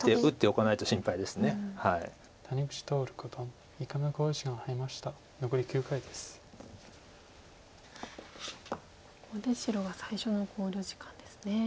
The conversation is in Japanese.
ここで白は最初の考慮時間ですね。